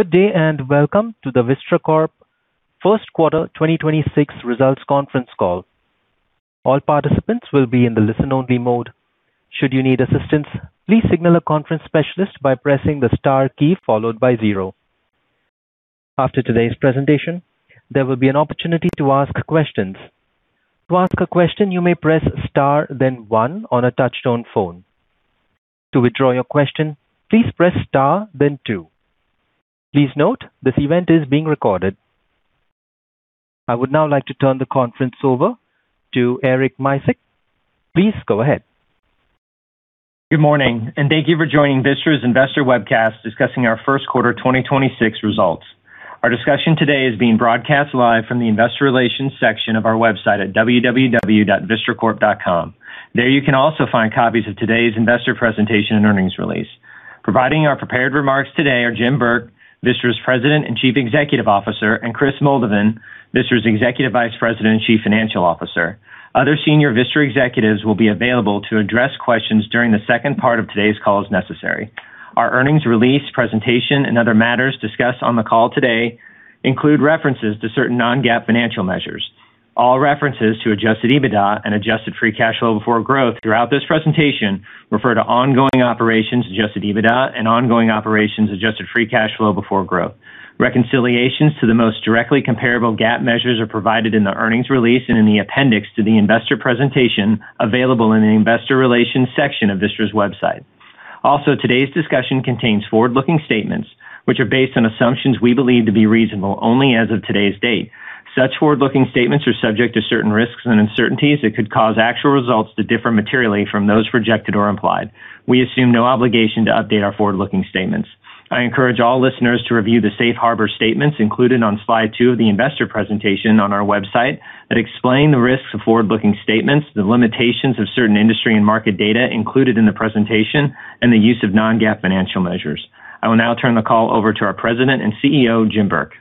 Good day and welcome to the Vistra Corp First Quarter 2026 Results conference call. All participants will be in the listen-only mode. Should you need assistance, please signal a conference specialist by pressing the star key followed by zero. After today's presentation, there will be an opportunity to ask questions. To ask a question, you may press star then one on a touch-tone phone. To withdraw your question, please press star then two. Please note, this event is being recorded. I would now like to turn the conference over to Eric Micek. Please go ahead. Good morning, and thank you for joining Vistra's Investor Webcast discussing our First Quarter 2026 Results. Our discussion today is being broadcast live from the investor relations section of our website at www.vistracorp.com. There you can also find copies of today's investor presentation and earnings release. Providing our prepared remarks today are Jim Burke, Vistra's President and Chief Executive Officer, and Kris Moldovan, Vistra's Executive Vice President and Chief Financial Officer. Other senior Vistra executives will be available to address questions during the second part of today's call as necessary. Our earnings release presentation and other matters discussed on the call today include references to certain non-GAAP financial measures. All references to adjusted EBITDA and adjusted free cash flow before growth throughout this presentation refer to Ongoing Operations Adjusted EBITDA and ongoing operations adjusted free cash flow before growth. Reconciliations to the most directly comparable GAAP measures are provided in the earnings release and in the appendix to the investor presentation available in the Investor Relations section of Vistra's website. Also, today's discussion contains forward-looking statements which are based on assumptions we believe to be reasonable only as of today's date. Such forward-looking statements are subject to certain risks and uncertainties that could cause actual results to differ materially from those projected or implied. We assume no obligation to update our forward-looking statements. I encourage all listeners to review the Safe Harbor statements included on slide two of the investor presentation on our website that explain the risks of forward-looking statements, the limitations of certain industry and market data included in the presentation, and the use of non-GAAP financial measures. I will now turn the call over to our President and CEO, Jim Burke.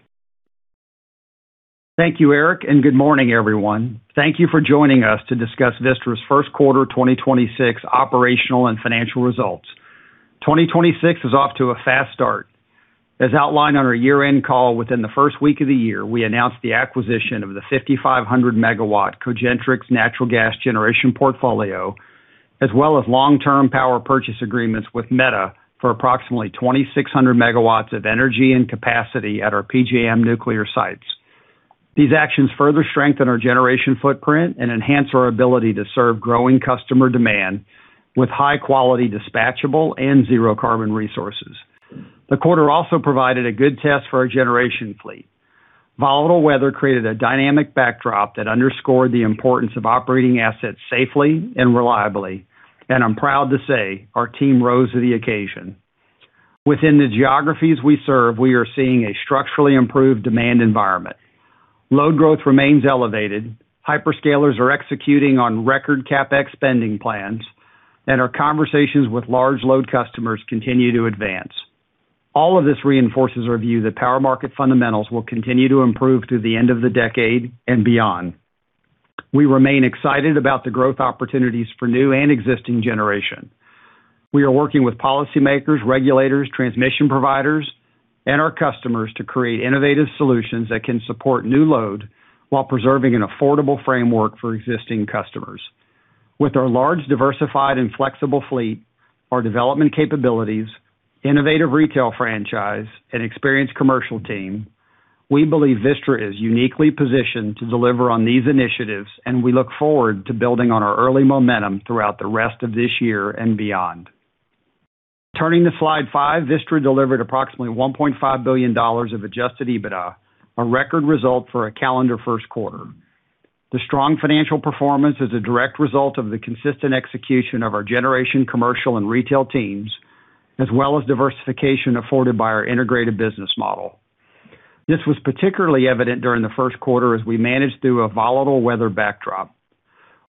Thank you, Eric, and good morning, everyone. Thank you for joining us to discuss Vistra's first quarter 2026 operational and financial results. 2026 is off to a fast start. As outlined on our year-end call, within the first week of the year, we announced the acquisition of the 5,500 MW Cogentrix natural gas generation portfolio, Power Purchase Agreements with Meta for approximately 2,600 MW of energy and capacity at our PJM nuclear sites. These actions further strengthen our generation footprint and enhance our ability to serve growing customer demand with high-quality, dispatchable, and zero carbon resources. The quarter also provided a good test for our generation fleet. Volatile weather created a dynamic backdrop that underscored the importance of operating assets safely and reliably, and I'm proud to say our team rose to the occasion. Within the geographies we serve, we are seeing a structurally improved demand environment. Load growth remains elevated. Hyperscalers are executing on record CapEx spending plans, and our conversations with large load customers continue to advance. All of this reinforces our view that power market fundamentals will continue to improve through the end of the decade and beyond. We remain excited about the growth opportunities for new and existing generation. We are working with policymakers, regulators, transmission providers, and our customers to create innovative solutions that can support new load while preserving an affordable framework for existing customers. With our large, diversified, and flexible fleet, our development capabilities, innovative retail franchise, and experienced commercial team, we believe Vistra is uniquely positioned to deliver on these initiatives, and we look forward to building on our early momentum throughout the rest of this year and beyond. Turning to slide five, Vistra delivered approximately $1.5 billion of adjusted EBITDA, a record result for a calendar first quarter. The strong financial performance is a direct result of the consistent execution of our generation, commercial, and retail teams, as well as diversification afforded by our integrated business model. This was particularly evident during the first quarter as we managed through a volatile weather backdrop.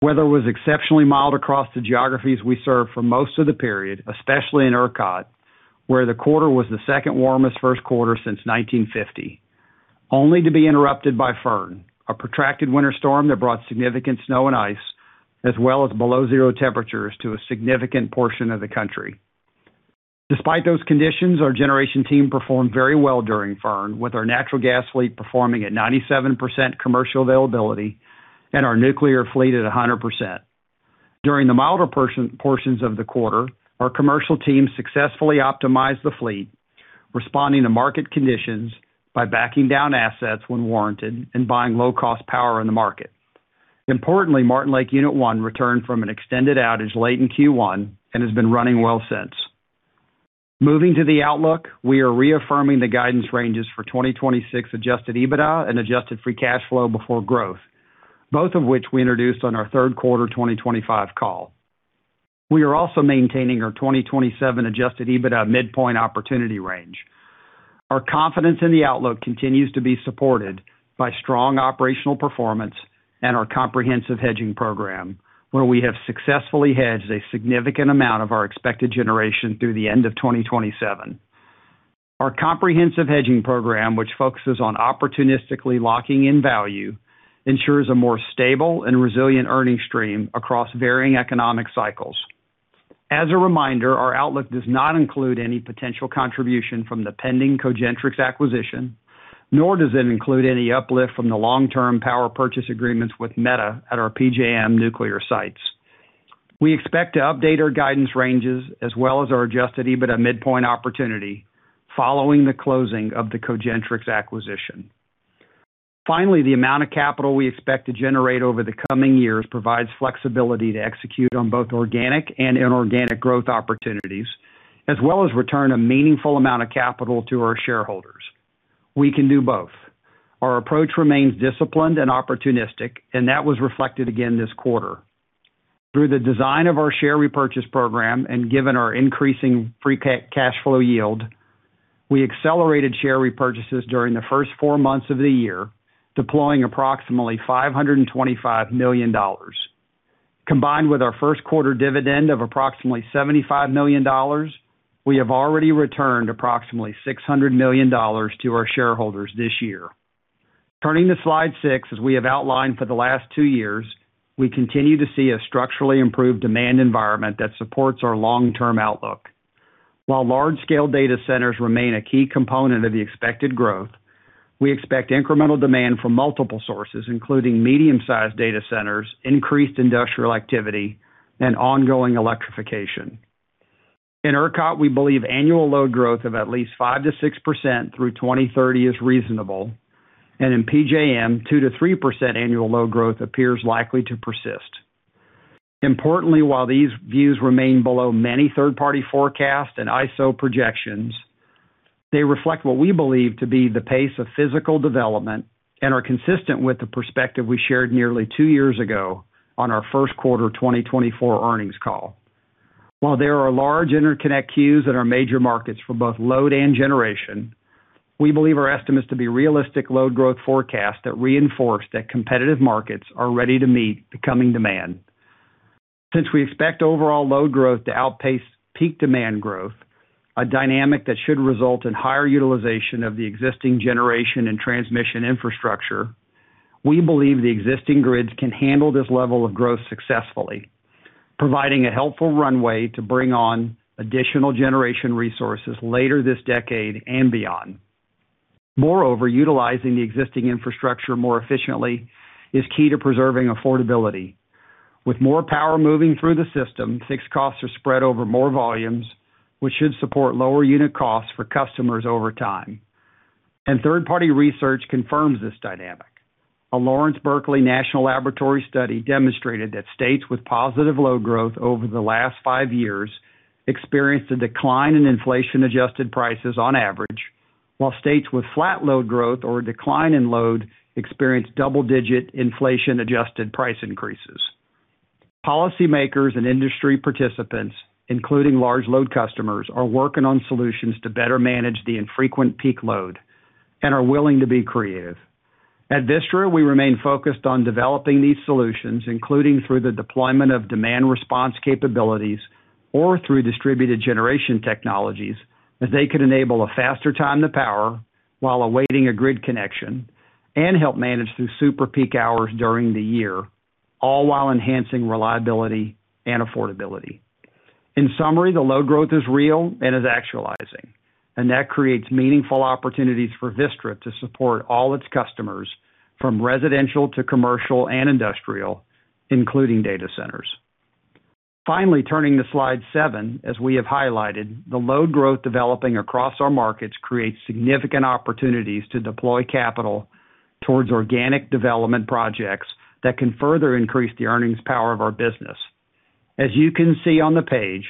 Weather was exceptionally mild across the geographies we serve for most of the period, especially in ERCOT, where the quarter was the second warmest first quarter since 1950, only to be interrupted by Fern, a protracted winter storm that brought significant snow and ice as well as below 0 temperatures to a significant portion of the country. Despite those conditions, our generation team performed very well during Fern, with our natural gas fleet performing at 97% commercial availability and our nuclear fleet at 100%. During the milder portions of the quarter, our commercial team successfully optimized the fleet, responding to market conditions by backing down assets when warranted and buying low-cost power in the market. Importantly, Martin Lake Unit One returned from an extended outage late in Q1 and has been running well since. Moving to the outlook, we are reaffirming the guidance ranges for 2026 adjusted EBITDA and adjusted free cash flow before growth, both of which we introduced on our third quarter 2025 call. We are also maintaining our 2027 adjusted EBITDA midpoint opportunity range. Our confidence in the outlook continues to be supported by strong operational performance and our comprehensive hedging program, where we have successfully hedged a significant amount of our expected generation through the end of 2027. Our comprehensive hedging program, which focuses on opportunistically locking in value, ensures a more stable and resilient earning stream across varying economic cycles. As a reminder, our outlook does not include any potential contribution from the pending Cogentrix acquisition, nor does it include any Power Purchase Agreements with meta at our PJM nuclear sites. We expect to update our guidance ranges as well as our adjusted EBITDA midpoint opportunity following the closing of the Cogentrix acquisition. Finally, the amount of capital we expect to generate over the coming years provides flexibility to execute on both organic and inorganic growth opportunities, as well as return a meaningful amount of capital to our shareholders. We can do both. Our approach remains disciplined and opportunistic, and that was reflected again this quarter. Through the design of our share repurchase program and given our increasing free cash flow yield, we accelerated share repurchases during the first four months of the year, deploying approximately $525 million. Combined with our first quarter dividend of approximately $75 million, we have already returned approximately $600 million to our shareholders this year. Turning to slide six, as we have outlined for the last two years, we continue to see a structurally improved demand environment that supports our long-term outlook. While large-scale data centers remain a key component of the expected growth, we expect incremental demand from multiple sources, including medium-sized data centers, increased industrial activity, and ongoing electrification. In ERCOT, we believe annual load growth of at least 5%-6% through 2030 is reasonable, and in PJM, 2%-3% annual load growth appears likely to persist. Importantly, while these views remain below many third-party forecasts and ISO projections, they reflect what we believe to be the pace of physical development and are consistent with the perspective we shared nearly two years ago on our first quarter 2024 earnings call. While there are large interconnect queues at our major markets for both load and generation, we believe our estimates to be realistic load growth forecasts that reinforce that competitive markets are ready to meet the coming demand. Since we expect overall load growth to outpace peak demand growth, a dynamic that should result in higher utilization of the existing generation and transmission infrastructure, we believe the existing grids can handle this level of growth successfully, providing a helpful runway to bring on additional generation resources later this decade and beyond. Moreover, utilizing the existing infrastructure more efficiently is key to preserving affordability. With more power moving through the system, fixed costs are spread over more volumes, which should support lower unit costs for customers over time. Third-party research confirms this dynamic. A Lawrence Berkeley National Laboratory study demonstrated that states with positive load growth over the last five years experienced a decline in inflation-adjusted prices on average, while states with flat load growth or a decline in load experienced double-digit inflation-adjusted price increases. Policymakers and industry participants, including large load customers, are working on solutions to better manage the infrequent peak load and are willing to be creative. At Vistra, we remain focused on developing these solutions, including through the deployment of demand response capabilities or through distributed generation technologies, as they could enable a faster time to power while awaiting a grid connection and help manage through super peak hours during the year, all while enhancing reliability and affordability. In summary, the load growth is real and is actualizing. That creates meaningful opportunities for Vistra to support all its customers, from residential to commercial and industrial, including data centers. Finally, turning to slide seven, as we have highlighted, the load growth developing across our markets creates significant opportunities to deploy capital towards organic development projects that can further increase the earnings power of our business. As you can see on the page,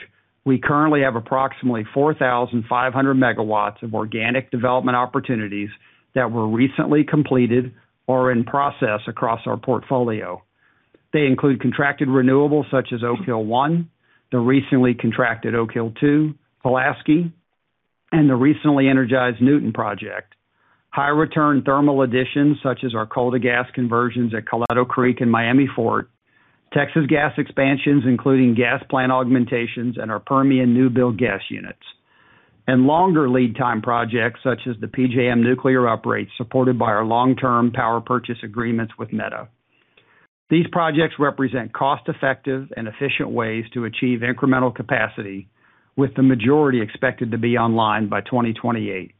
we currently have approximately 4,500 MW of organic development opportunities that were recently completed or are in process across our portfolio. They include contracted renewables such as Oak Hill 1, the recently contracted Oak Hill 2, Pulaski, and the recently energized Newton project. High return thermal additions such as our coal to gas conversions at Coleto Creek and Miami Fort. Texas gas expansions, including gas plant augmentations and our Permian new build gas units. Longer lead time projects such as the PJM nuclear uprates Power Purchase Agreements with meta. these projects represent cost-effective and efficient ways to achieve incremental capacity, with the majority expected to be online by 2028.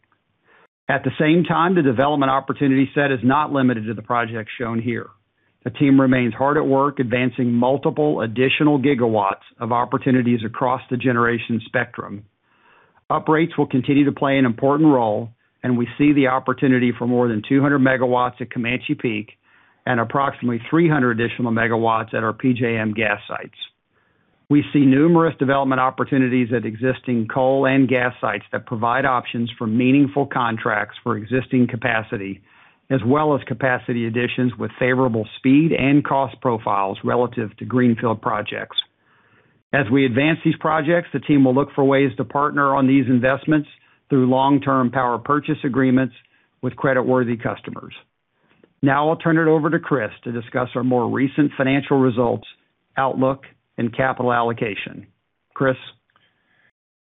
At the same time, the development opportunity set is not limited to the projects shown here. The team remains hard at work advancing multiple additional GW of opportunities across the generation spectrum. Uprates will continue to play an important role, and we see the opportunity for more than 200 MW at Comanche Peak and approximately 300 additional megawatts at our PJM gas sites. We see numerous development opportunities at existing coal and gas sites that provide options for meaningful contracts for existing capacity, as well as capacity additions with favorable speed and cost profiles relative to greenfield projects. As we advance these projects, the team will look for ways to partner on Power Purchase Agreements with creditworthy customers. i'll turn it over to Kris to discuss our more recent financial results, outlook, and capital allocation. Kris?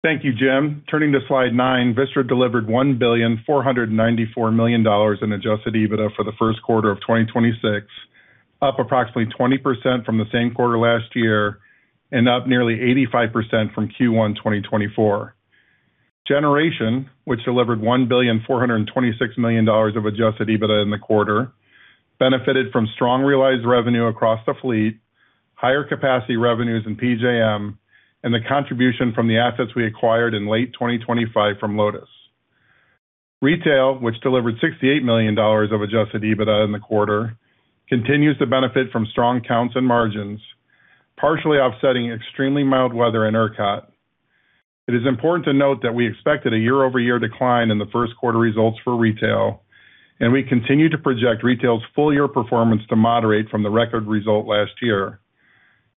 Thank you, Jim. Turning to slide nine, Vistra delivered $1.494 billion in adjusted EBITDA for the first quarter of 2026, up approximately 20% from the same quarter last year and up nearly 85% from Q1 2024. Generation, which delivered $1.426 billion of adjusted EBITDA in the quarter, benefited from strong realized revenue across the fleet, higher capacity revenues in PJM, and the contribution from the assets we acquired in late 2025 from Lotus. Retail, which delivered $68 million of adjusted EBITDA in the quarter, continues to benefit from strong counts and margins, partially offsetting extremely mild weather in ERCOT. It is important to note that we expected a year-over-year decline in the first quarter results for retail, and we continue to project retail's full year performance to moderate from the record result last year.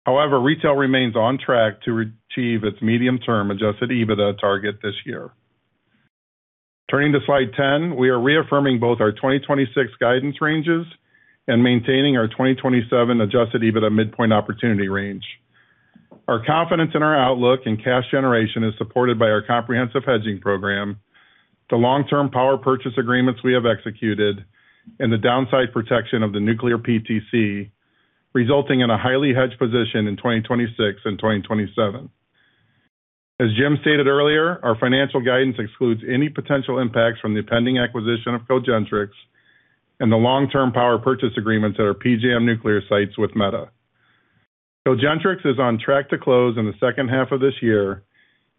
However, retail remains on track to achieve its medium-term adjusted EBITDA target this year. Turning to slide 10, we are reaffirming both our 2026 guidance ranges and maintaining our 2027 adjusted EBITDA midpoint opportunity range. Our confidence in our outlook and cash generation is supported by our comprehensive Power Purchase Agreements we have executed and the downside protection of the Nuclear PTC, resulting in a highly hedged position in 2026 and 2027. As Jim stated earlier, our financial guidance excludes any potential impacts from the pending acquisition of power purchase agreements at our PJM nuclear sites with Meta. Cogentrix is on track to close in the second half of this year,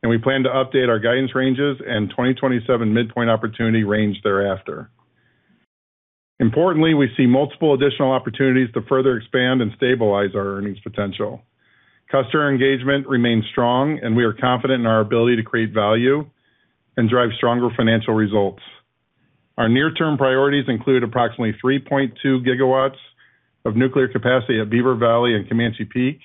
and we plan to update our guidance ranges in 2027 midpoint opportunity range thereafter. Importantly, we see multiple additional opportunities to further expand and stabilize our earnings potential. Customer engagement remains strong, and we are confident in our ability to create value and drive stronger financial results. Our near-term priorities include approximately 3.2 GW of nuclear capacity at Beaver Valley and Comanche Peak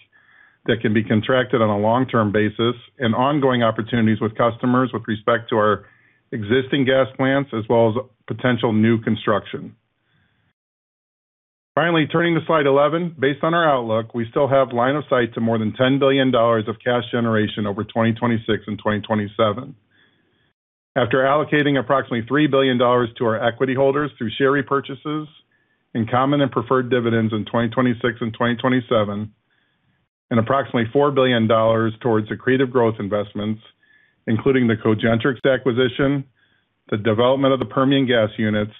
that can be contracted on a long-term basis and ongoing opportunities with customers with respect to our existing gas plants as well as potential new construction. Finally, turning to slide 11. Based on our outlook, we still have line of sight to more than $10 billion of cash generation over 2026 and 2027. After allocating approximately $3 billion to our equity holders through share repurchases in common and preferred dividends in 2026 and 2027 and approximately $4 billion towards accretive growth investments, including the Cogentrix acquisition, the development of the Permian gas units,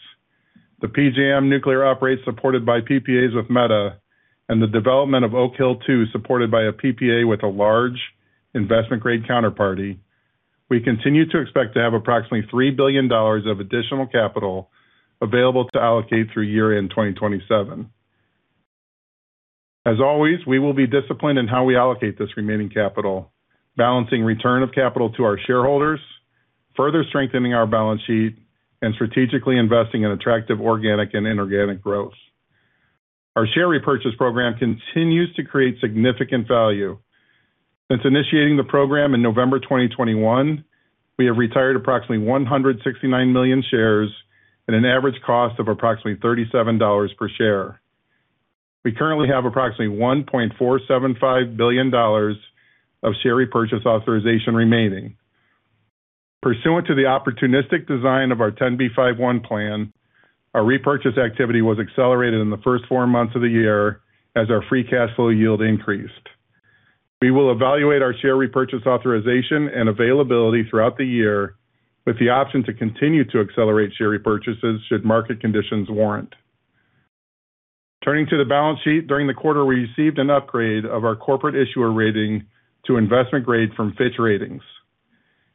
the PJM nuclear uprates supported by PPAs with Meta, and the development of Oak Hill 2, supported by a PPA with a large investment-grade counterparty. We continue to expect to have approximately $3 billion of additional capital available to allocate through year-end 2027. As always, we will be disciplined in how we allocate this remaining capital, balancing return of capital to our shareholders, further strengthening our balance sheet, and strategically investing in attractive organic and inorganic growth. Our share repurchase program continues to create significant value. Since initiating the program in November 2021, we have retired approximately 169 million shares at an average cost of approximately $37 per share. We currently have approximately $1.475 billion of share repurchase authorization remaining. Pursuant to the opportunistic design of our Rule 10b5-1 plan, our repurchase activity was accelerated in the first four months of the year as our free cash flow yield increased. We will evaluate our share repurchase authorization and availability throughout the year with the option to continue to accelerate share repurchases should market conditions warrant. Turning to the balance sheet, during the quarter, we received an upgrade of our corporate issuer rating to Investment Grade from Fitch Ratings.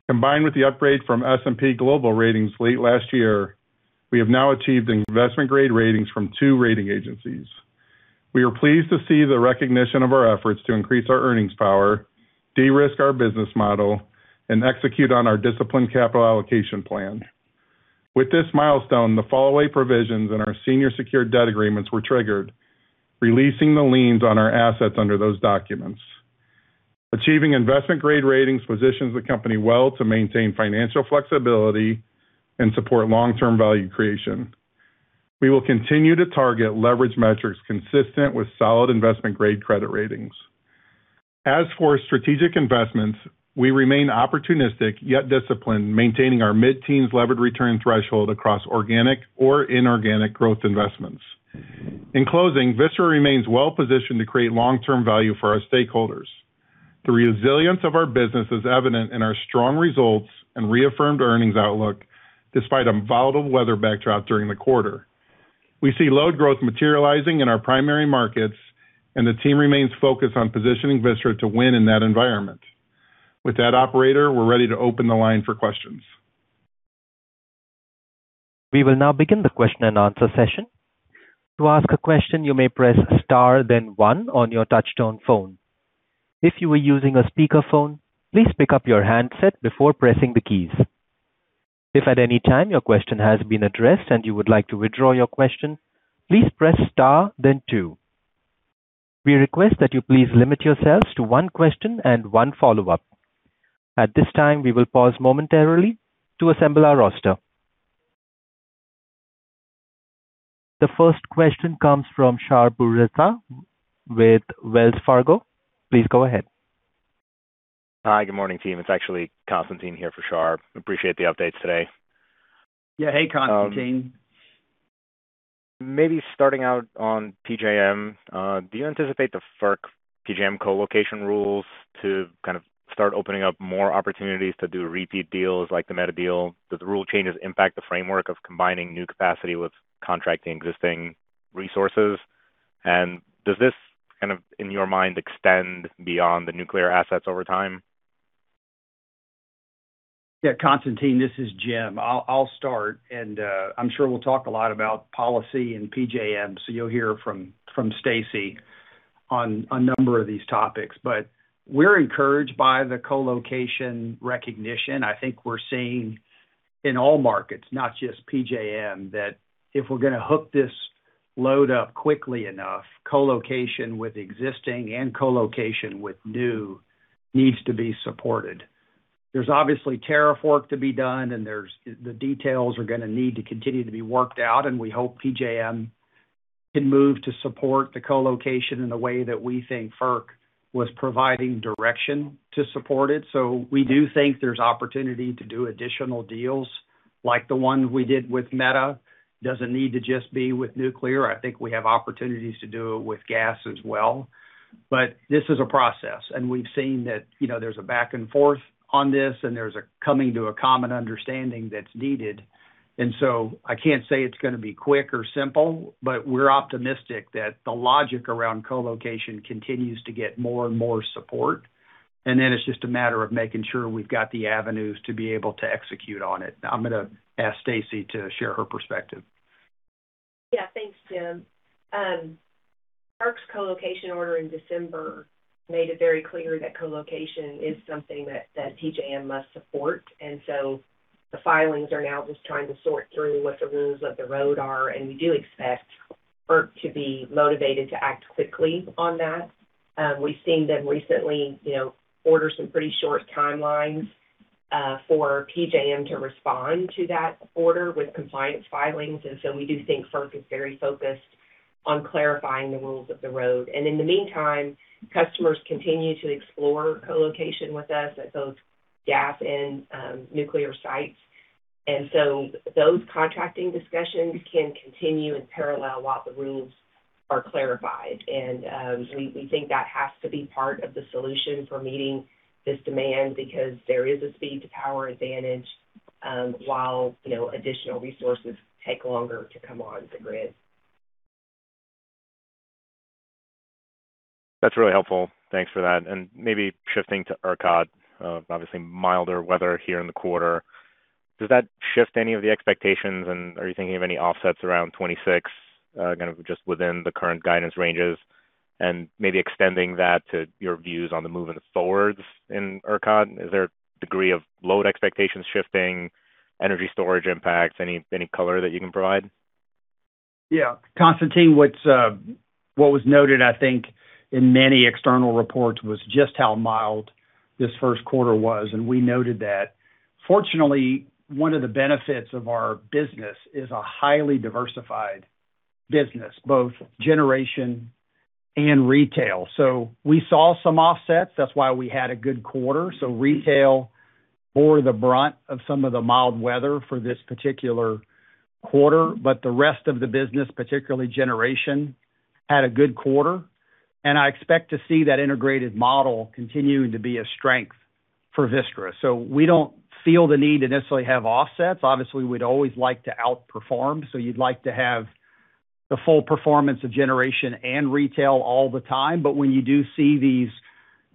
Combined with the upgrade from S&P Global Ratings late last year, we have now achieved Investment Grade ratings from two rating agencies. We are pleased to see the recognition of our efforts to increase our earnings power, de-risk our business model, and execute on our disciplined capital allocation plan. With this milestone, the fallaway provisions in our senior secured debt agreements were triggered, releasing the liens on our assets under those documents. Achieving Investment Grade ratings positions the company well to maintain financial flexibility and support long-term value creation. We will continue to target leverage metrics consistent with solid Investment Grade credit ratings. As for strategic investments, we remain opportunistic yet disciplined, maintaining our mid-teens levered return threshold across organic or inorganic growth investments. In closing, Vistra remains well positioned to create long-term value for our stakeholders. The resilience of our business is evident in our strong results and reaffirmed earnings outlook despite a volatile weather backdrop during the quarter. We see load growth materializing in our primary markets, and the team remains focused on positioning Vistra to win in that environment. With that, operator, we're ready to open the line for questions. We will now begin the question and answer session. To ask a question, you may press star then one on your touch-tone phone. If you are using a speaker phone, please pick up your handset before pressing the keys. If at any time your question has been addressed and you would like to withdraw you question, please press star then two. We request that you please limit yourselves to one question and one follow-up. At this time, we will pause momentarily to assemble our roster. The first question comes from Shar Pourreza with Wells Fargo. Please go ahead. Hi, good morning, team. It's actually Constantine here for Shar. Appreciate the updates today. Yeah. Hey, Constantine. Maybe starting out on PJM. Do you anticipate the FERC PJM co-location rules to kind of start opening up more opportunities to do repeat deals like the Meta deal? Does the rule changes impact the framework of combining new capacity with contracting existing resources? Does this kind of, in your mind, extend beyond the nuclear assets over time? Yeah, Constantine, this is Jim. I'll start and I'm sure we'll talk a lot about policy and PJM, so you'll hear from Stacey on a number of these topics. We're encouraged by the co-location recognition. I think we're seeing in all markets, not just PJM, that if we're gonna hook this load up quickly enough, co-location with existing and co-location with new needs to be supported. There's obviously tariff work to be done. The details are gonna need to continue to be worked out. We hope PJM can move to support the co-location in the way that we think FERC was providing direction to support it. We do think there's opportunity to do additional deals like the one we did with Meta. Doesn't need to just be with nuclear. I think we have opportunities to do it with gas as well. This is a process, and we've seen that, you know, there's a back and forth on this, and there's a coming to a common understanding that's needed. I can't say it's gonna be quick or simple, but we're optimistic that the logic around co-location continues to get more and more support. It's just a matter of making sure we've got the avenues to be able to execute on it. I'm gonna ask Stacey to share her perspective. Thanks, Jim. FERC's co-location order in December made it very clear that co-location is something that PJM must support. The filings are now just trying to sort through what the rules of the road are, and we do expect FERC to be motivated to act quickly on that. We've seen them recently, you know, order some pretty short timelines for PJM to respond to that order with compliance filings. We do think FERC is very focused on clarifying the rules of the road. In the meantime, customers continue to explore co-location with us at those gap in nuclear sites. Those contracting discussions can continue in parallel while the rules are clarified. We think that has to be part of the solution for meeting this demand because there is a speed to power advantage, while, you know, additional resources take longer to come onto grid. That's really helpful. Thanks for that. Maybe shifting to ERCOT. Obviously milder weather here in the quarter. Does that shift any of the expectations? Are you thinking of any offsets around 26 within the current guidance ranges? Maybe extending that to your views on the move in the forwards in ERCOT. Is there a degree of load expectations shifting energy storage impacts? Any color that you can provide? Yeah. Constantine, what's, what was noted, I think, in many external reports was just how mild this first quarter was, we noted that. Fortunately, one of the benefits of our business is a highly diversified business, both generation and retail. We saw some offsets. That's why we had a good quarter. Retail bore the brunt of some of the mild weather for this particular quarter, the rest of the business, particularly generation, had a good quarter. I expect to see that integrated model continuing to be a strength for Vistra. We don't feel the need to necessarily have offsets. Obviously, we'd always like to outperform, you'd like to have the full performance of generation and retail all the time. When you do see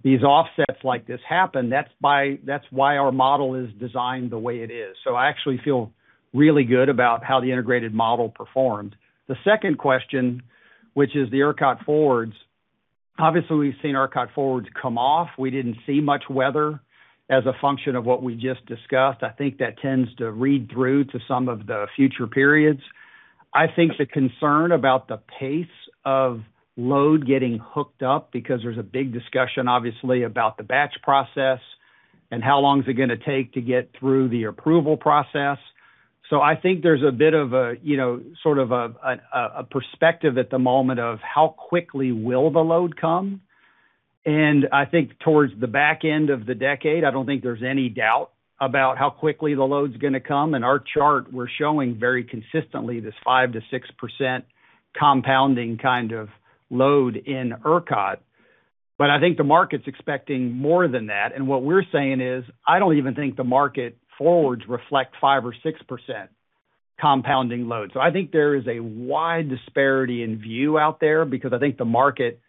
these offsets like this happen, that's why our model is designed the way it is. I actually feel really good about how the integrated model performed. The second question, which is the ERCOT forwards, obviously, we've seen ERCOT forwards come off. We didn't see much weather as a function of what we just discussed. I think that tends to read through to some of the future periods. I think the concern about the pace of load getting hooked up because there's a big discussion, obviously, about the batch process and how long is it gonna take to get through the approval process. I think there's a bit of a, you know, sort of a perspective at the moment of how quickly will the load come. I don't think towards the back end of the decade, I don't think there's any doubt about how quickly the load's gonna come. In our chart, we're showing very consistently this 5% to 6% compounding kind of load in ERCOT. I think the market's expecting more than that. What we're saying is, I don't even think the market forwards reflect 5% or 6% compounding load. I think there is a wide disparity in view out there because I think the market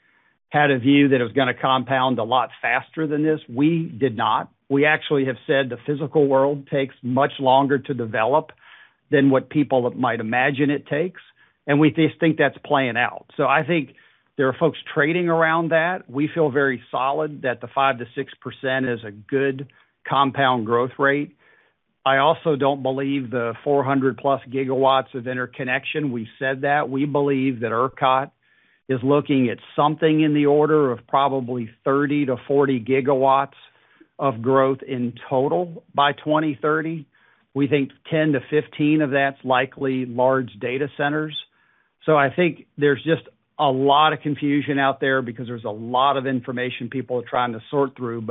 had a view that it was gonna compound a lot faster than this. We did not. We actually have said the physical world takes much longer to develop than what people might imagine it takes, and we just think that's playing out. I think there are folks trading around that. We feel very solid that the 5% to 6% is a good compound growth rate. I also don't believe the 400+ GW of interconnection. We said that we believe that ERCOT is looking at something in the order of probably 30 GW-40 GW of growth in total by 2030. We think 10-15 of that's likely large data centers. I think there's just a lot of confusion out there because there's a lot of information people are trying to sort through.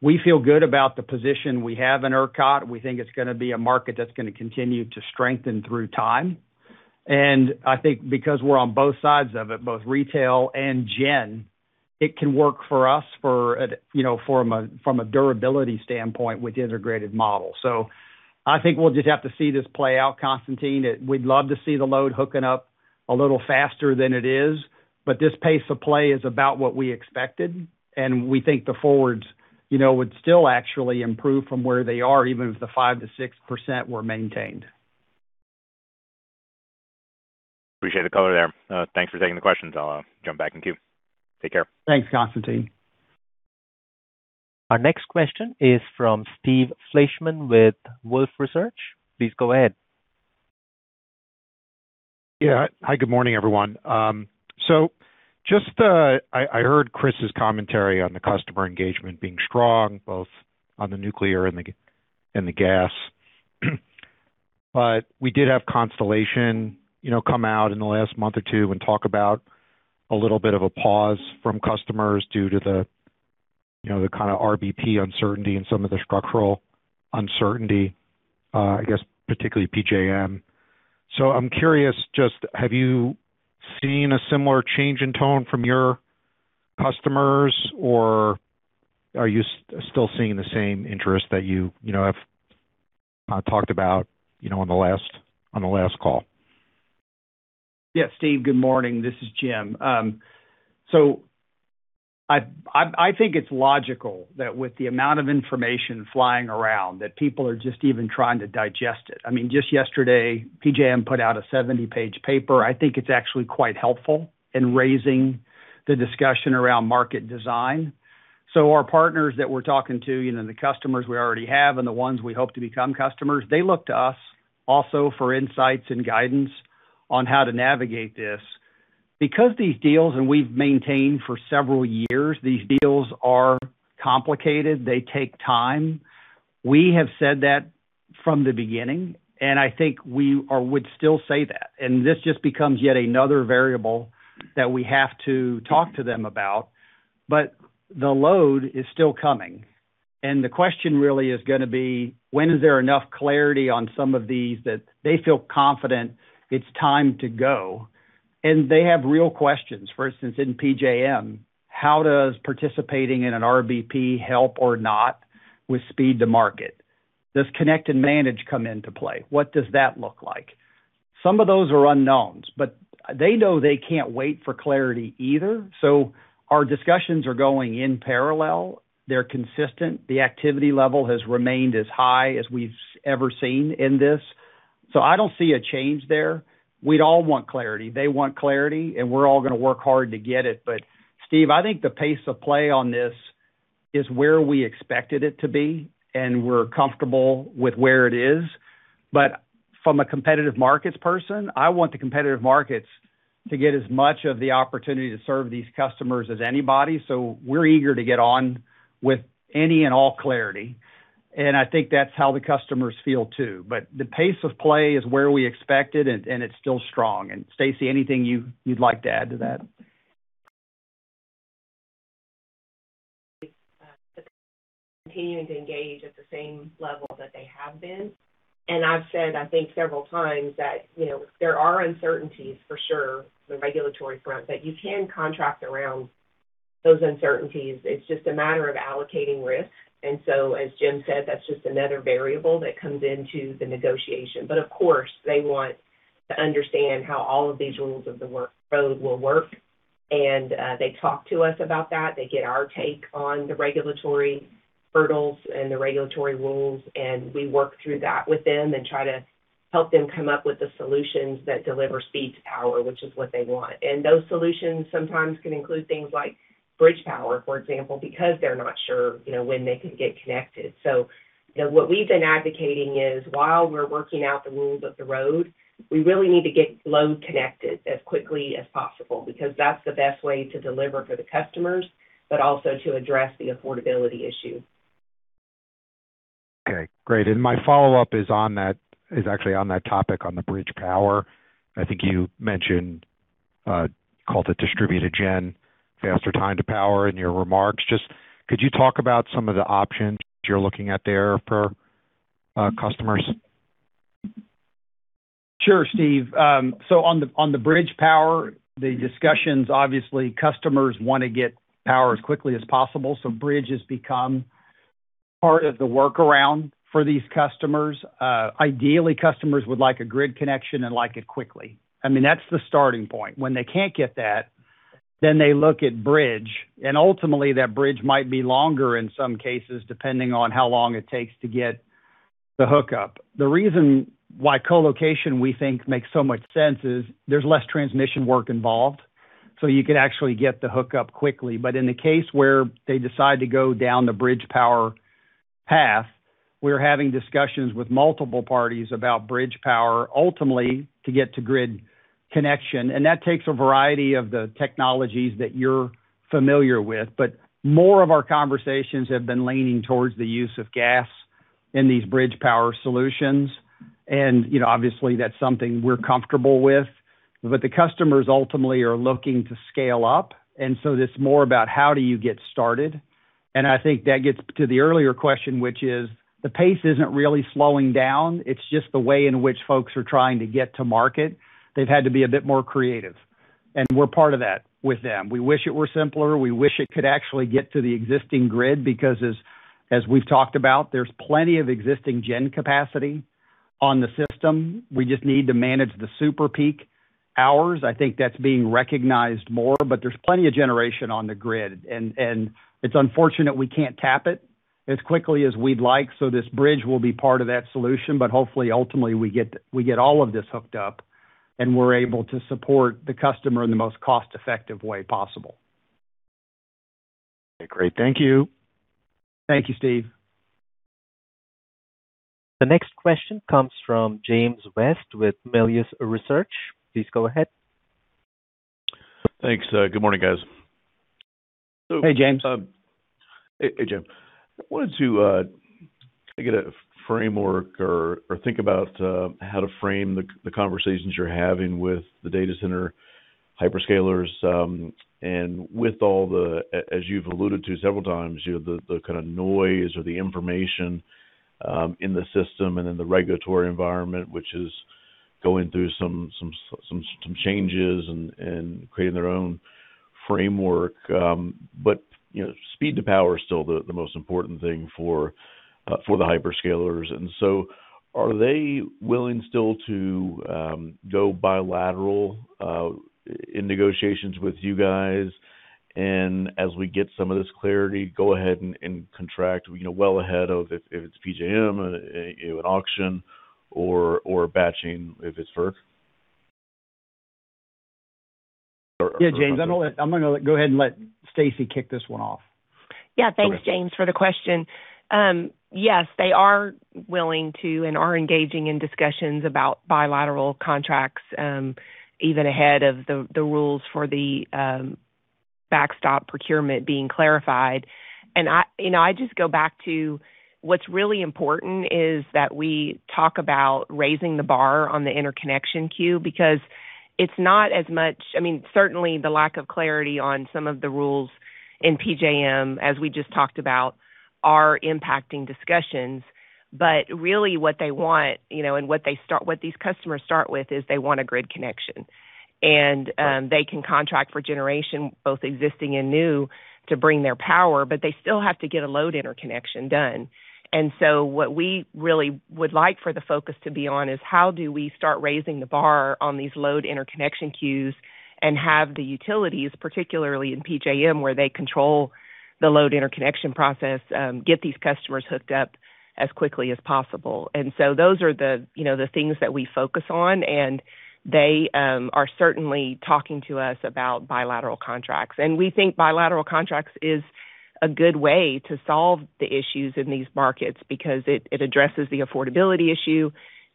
We feel good about the position we have in ERCOT. We think it's gonna be a market that's gonna continue to strengthen through time. I think because we're on both sides of it, both retail and gen, it can work for us for, you know, from a durability standpoint with the integrated model. I think we'll just have to see this play out, Constantine. We'd love to see the load hooking up a little faster than it is, but this pace of play is about what we expected, and we think the forwards, you know, would still actually improve from where they are even if the 5%-6% were maintained. Appreciate the color there. Thanks for taking the questions. I'll jump back in queue. Take care. Thanks, Constantine. Our next question is from Steve Fleishman with Wolfe Research. Please go ahead. Yeah. Hi, good morning, everyone. Just, I heard Kris's commentary on the customer engagement being strong, both on the nuclear and the gas. We did have Constellation, you know, come out in the last month or two and talk about a little bit of a pause from customers due to the, you know, the kind of RBP uncertainty and some of the structural uncertainty, I guess particularly PJM. I'm curious, just have you seen a similar change in tone from your customers, or are you still seeing the same interest that you know, have talked about, you know, on the last call? Yeah. Steve, good morning. This is Jim. I think it's logical that with the amount of information flying around, that people are just even trying to digest it. I mean just yesterday, PJM put out a 70-page paper. I think it's actually quite helpful in raising the discussion around market design. Our partners that we're talking to, you know, the customers we already have and the ones we hope to become customers, they look to us also for insights and guidance on how to navigate this. These deals, and we've maintained for several years, these deals are complicated, they take time. We have said that from the beginning. I think we would still say that. This just becomes yet another variable that we have to talk to them about. The load is still coming. The question really is gonna be, when is there enough clarity on some of these that they feel confident it's time to go? They have real questions. For instance, in PJM, how does participating in an RBP help or not with speed to market? Does connect and manage come into play? What does that look like? Some of those are unknowns, but they know they can't wait for clarity either. Our discussions are going in parallel. They're consistent. The activity level has remained as high as we've ever seen in this. I don't see a change there. We'd all want clarity. They want clarity, and we're all gonna work hard to get it. Steve, I think the pace of play on this is where we expected it to be, and we're comfortable with where it is. From a competitive markets person, I want the competitive markets to get as much of the opportunity to serve these customers as anybody, so we're eager to get on with any and all clarity. I think that's how the customers feel too. The pace of play is where we expected and it's still strong. Stacey, anything you'd like to add to that? Continuing to engage at the same level that they have been. I've said, I think several times that, you know, there are uncertainties for sure on the regulatory front, but you can contract around those uncertainties. It's just a matter of allocating risk. As Jim said, that's just another variable that comes into the negotiation. Of course, they want to understand how all of these rules of the road will work. They talk to us about that. They get our take on the regulatory hurdles and the regulatory rules, and we work through that with them and try to help them come up with the solutions that deliver speed to power, which is what they want. Those solutions sometimes can include things like bridge power, for example, because they're not sure, you know, when they can get connected. You know, what we've been advocating is while we're working out the rules of the road, we really need to get load connected as quickly as possible because that's the best way to deliver for the customers, but also to address the affordability issue. Okay, great. My follow-up is actually on that topic, on the bridge power. I think you mentioned, called it distributed gen, faster time to power in your remarks. Just could you talk about some of the options you're looking at there for customers? Sure, Steve. Obviously, customers want to get power as quickly as possible, bridge has become part of the workaround for these customers. Ideally, customers would like a grid connection and like it quickly. I mean, that's the starting point. When they can't get that, they look at bridge, ultimately that bridge might be longer in some cases, depending on how long it takes to get the hookup. The reason why co-location, we think, makes so much sense is there's less transmission work involved. You could actually get the hookup quickly. In the case where they decide to go down the bridge power path, we're having discussions with multiple parties about bridge power ultimately to get to grid connection. That takes a variety of the technologies that you're familiar with. More of our conversations have been leaning towards the use of gas in these bridge power solutions. You know, obviously, that's something we're comfortable with, but the customers ultimately are looking to scale up. It's more about how do you get started. I think that gets to the earlier question, which is the pace isn't really slowing down. It's just the way in which folks are trying to get to market. They've had to be a bit more creative, and we're part of that with them. We wish it were simpler. We wish it could actually get to the existing grid because as we've talked about, there's plenty of existing gen capacity on the system. We just need to manage the super peak hours. I think that's being recognized more, but there's plenty of generation on the grid, and it's unfortunate we can't tap it as quickly as we'd like. This bridge will be part of that solution, but hopefully, ultimately, we get all of this hooked up and we're able to support the customer in the most cost-effective way possible. Okay, great. Thank you. Thank you, Steve. The next question comes from James West with Melius Research. Please go ahead. Thanks. Good morning, guys. Hey, James. Hey, Jim. I wanted to get a framework or think about how to frame the conversations you're having with the data center hyperscalers, and as you've alluded to several times, you know, the kind of noise or the information in the system and in the regulatory environment, which is going through some changes and creating their own framework. But, you know, speed to power is still the most important thing for the hyperscalers. Are they willing still to go bilateral in negotiations with you guys, and as we get some of this clarity, go ahead and contract, you know, well ahead of if it's PJM, you know, an auction or batching if it's FERC? Or something. Yeah, James, I'm gonna go ahead and let Stacey kick this one off. Thanks, James, for the question. Yes, they are willing to and are engaging in discussions about bilateral contracts, even ahead of the rules for the backstop procurement being clarified. You know, I just go back to what's really important is that we talk about raising the bar on the interconnection queue because it's not as much, I mean, certainly the lack of clarity on some of the rules in PJM, as we just talked about, are impacting discussions. Really what they want, you know, and what these customers start with is they want a grid connection. They can contract for generation, both existing and new, to bring their power, but they still have to get a load interconnection done. What we really would like for the focus to be on is how do we start raising the bar on these load interconnection queues and have the utilities, particularly in PJM, where they control the load interconnection process, get these customers hooked up as quickly as possible. Those are the, you know, the things that we focus on, and they are certainly talking to us about bilateral contracts. We think bilateral contracts is a good way to solve the issues in these markets because it addresses the affordability issue,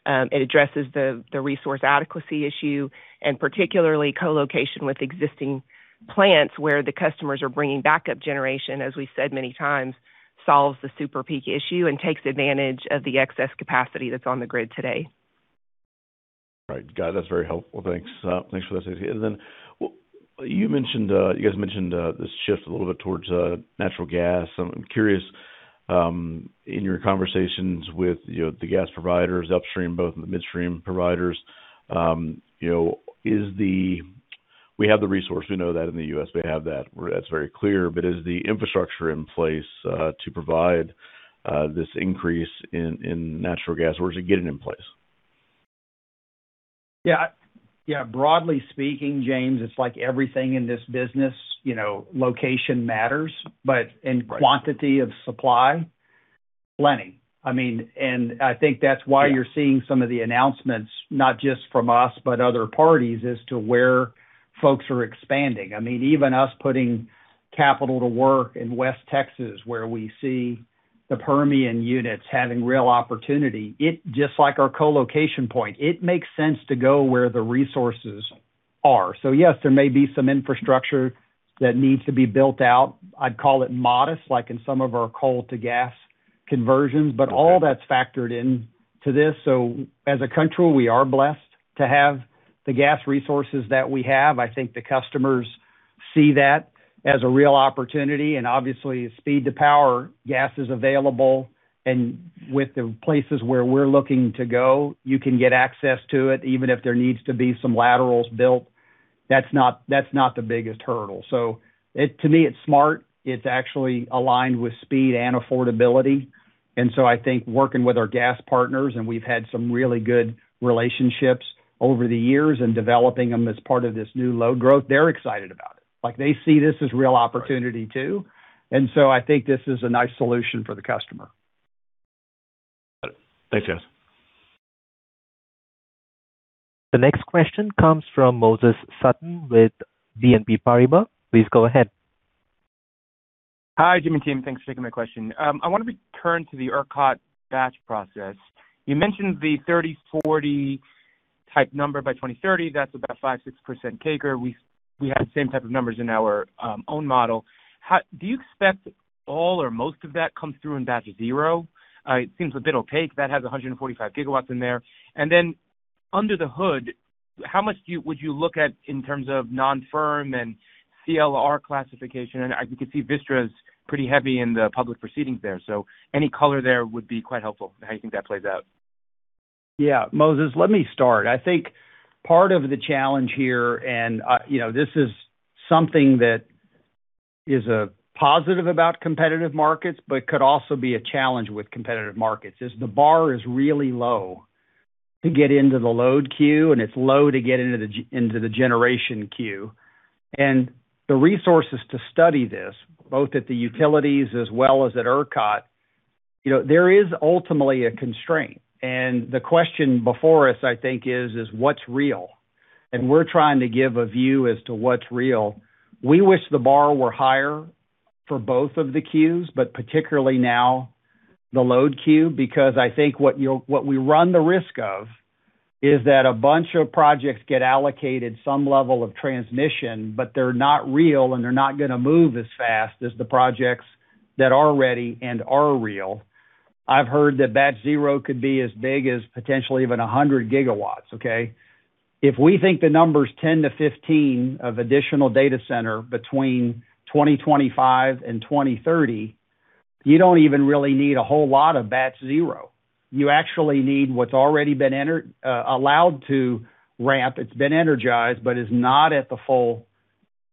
it addresses the resource adequacy issue, and particularly co-location with existing plants where the customers are bringing backup generation, as we said many times, solves the super peak issue and takes advantage of the excess capacity that's on the grid today. Right. Got it. That's very helpful. Thanks. Thanks for that, Stacey. Then you mentioned, you guys mentioned, this shift a little bit towards natural gas. I'm curious, in your conversations with, you know, the gas providers upstream, both in the midstream providers, you know, is the We have the resource. We know that in the U.S., we have that. That's very clear. Is the infrastructure in place to provide this increase in natural gas, or is it getting in place? Yeah. Yeah, broadly speaking, James, it's like everything in this business, you know, location matters. Right Quantity of supply, plenty. I mean, I think that's why you're seeing some of the announcements, not just from us, but other parties as to where folks are expanding. I mean, even us putting capital to work in West Texas, where we see the Permian units having real opportunity. Just like our co-location point, it makes sense to go where the resources are. Yes, there may be some infrastructure that needs to be built out. I'd call it modest, like in some of our coal to gas conversions. Okay. All that's factored into this. As a country, we are blessed to have the gas resources that we have. I think the customers see that as a real opportunity. Obviously, speed to power, gas is available. With the places where we're looking to go, you can get access to it, even if there needs to be some laterals built. That's not the biggest hurdle. To me, it's smart. It's actually aligned with speed and affordability. I think working with our gas partners, and we've had some really good relationships over the years and developing them as part of this new load growth, they're excited about it. Like, they see this as real opportunity too. I think this is a nice solution for the customer. Thanks, guys. The next question comes from Moses Sutton with BNP Paribas. Please go ahead. Hi, Jim and team. Thanks for taking my question. I want to return to the ERCOT batch process. You mentioned the 30/40 type number by 2030. That's about 5%-6% CAGR. We had the same type of numbers in our own model. Do you expect all or most of that comes through in batch zero? It seems a bit opaque. That has 145 GW in there. Under the hood, how much would you look at in terms of non-firm and CLR classification? I can see Vistra is pretty heavy in the public proceedings there, so any color there would be quite helpful on how you think that plays out. Moses, let me start. I think part of the challenge here, you know, this is something that is a positive about competitive markets, but could also be a challenge with competitive markets, is the bar is really low to get into the load queue, and it's low to get into the generation queue. The resources to study this, both at the utilities as well as at ERCOT, you know, there is ultimately a constraint. The question before us, I think, is what's real? We're trying to give a view as to what's real. We wish the bar were higher for both of the queues, but particularly now the load queue, because I think what we run the risk of is that a bunch of projects get allocated some level of transmission, but they're not real, and they're not gonna move as fast as the projects that are ready and are real. I've heard that batch zero could be as big as potentially even 100 GW, okay? If we think the number is 10 to 15 of additional data center between 2025 and 2030, you don't even really need a whole lot of batch zero. You actually need what's already been allowed to ramp. It's been energized, but is not at the full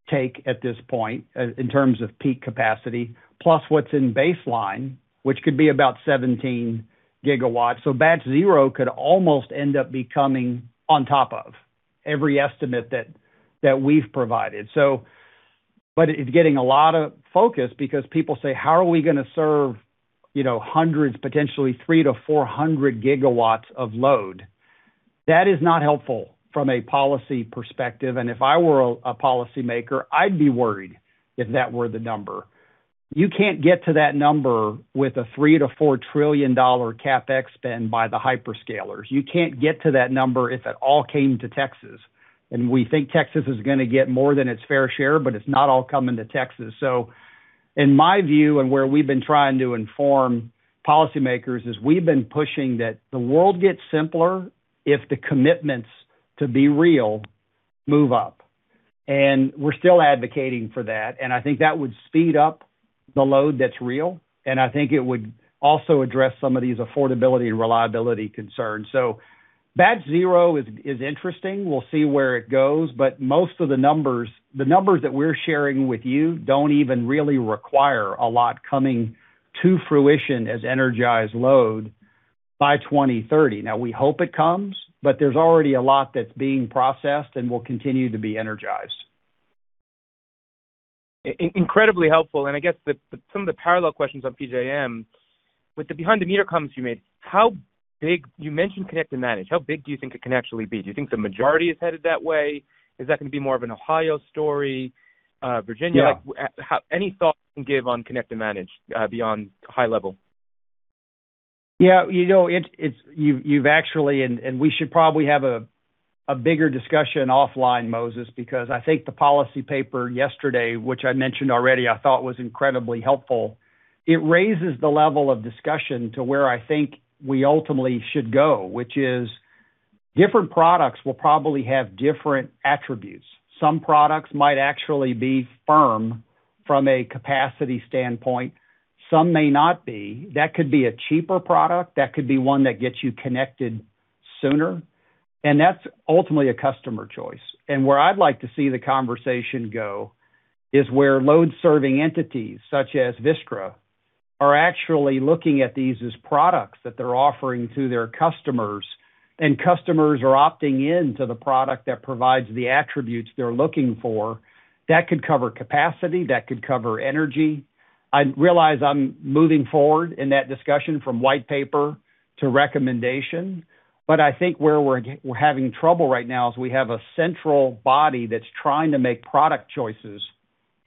take at this point in terms of peak capacity, plus what's in baseline, which could be about 17 GW. Batch zero could almost end up becoming on top of every estimate that we've provided. It's getting a lot of focus because people say, "How are we gonna serve, you know, hundreds, potentially 300 GW-400 GW of load?" That is not helpful from a policy perspective. If I were a policymaker, I'd be worried if that were the number. You can't get to that number with a $3 trillion-$4 trillion CapEx spend by the hyperscalers. You can't get to that number if it all came to Texas. We think Texas is gonna get more than its fair share, but it's not all coming to Texas. In my view and where we've been trying to inform policymakers is we've been pushing that the world gets simpler if the commitments to be real move up. We're still advocating for that, and I think that would speed up the load that's real, and I think it would also address some of these affordability and reliability concerns. Batch zero is interesting. We'll see where it goes, but most of the numbers that we're sharing with you don't even really require a lot coming to fruition as energized load by 2030. We hope it comes, but there's already a lot that's being processed and will continue to be energized. Incredibly helpful. I guess the some of the parallel questions on PJM. With the behind the meter comments you made. You mentioned connect and manage. How big do you think it can actually be? Do you think the majority is headed that way? Is that gonna be more of an Ohio story? Yeah Any thought you can give on connect and manage, beyond high level? Yeah. You know, it's, you've actually, we should probably have a bigger discussion offline, Moses, because I think the policy paper yesterday, which I mentioned already, I thought was incredibly helpful. It raises the level of discussion to where I think we ultimately should go, which is different products will probably have different attributes. Some products might actually be firm from a capacity standpoint, some may not be. That could be a cheaper product, that could be one that gets you connected sooner, and that's ultimately a customer choice. Where I'd like to see the conversation go is where load-serving entities, such as Vistra, are actually looking at these as products that they're offering to their customers, and customers are opting in to the product that provides the attributes they're looking for. That could cover capacity, that could cover energy. I realize I'm moving forward in that discussion from white paper to recommendation. I think where we're having trouble right now is we have a central body that's trying to make product choices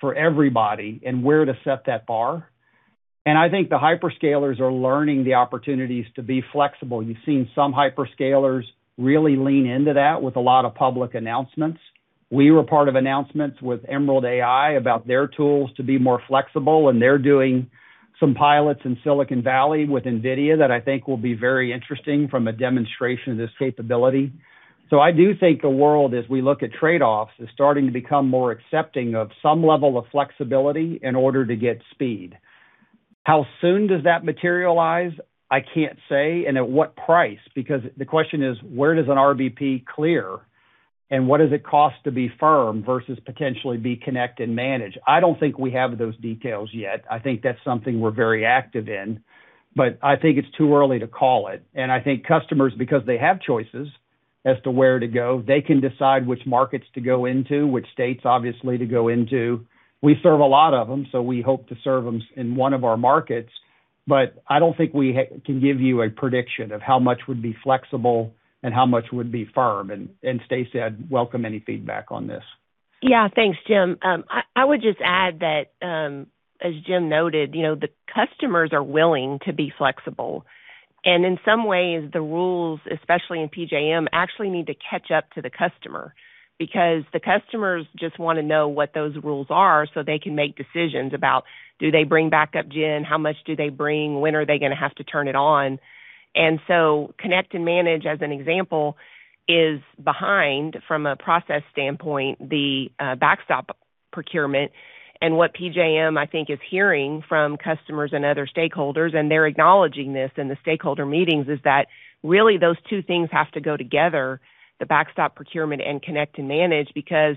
for everybody and where to set that bar. I think the hyperscalers are learning the opportunities to be flexible. You've seen some hyperscalers really lean into that with a lot of public announcements. We were part of announcements with Emerald AI about their tools to be more flexible. They're doing some pilots in Silicon Valley with NVIDIA that I think will be very interesting from a demonstration of this capability. I do think the world, as we look at trade-offs, is starting to become more accepting of some level of flexibility in order to get speed. How soon does that materialize? I can't say. At what price? The question is: Where does an RBP clear, and what does it cost to be firm versus potentially be connect and manage? I don't think we have those details yet. I think that's something we're very active in, but I think it's too early to call it. I think customers, because they have choices as to where to go. They can decide which markets to go into, which states, obviously, to go into. We serve a lot of them, so we hope to serve them in one of our markets. I don't think we can give you a prediction of how much would be flexible and how much would be firm. Stacey, I'd welcome any feedback on this. Yeah. Thanks, Jim. I would just add that, as Jim noted, you know, the customers are willing to be flexible. In some ways the rules, especially in PJM, actually need to catch up to the customer because the customers just wanna know what those rules are so they can make decisions about do they bring back up gen? How much do they bring? When are they gonna have to turn it on? Connect and manage, as an example, is behind from a process standpoint, the backstop procurement. What PJM, I think, is hearing from customers and other stakeholders, and they're acknowledging this in the stakeholder meetings, is that really those two things have to go together, the backstop procurement and connect and manage, because